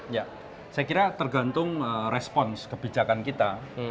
ya saya kira tergantung respons kebijakan kita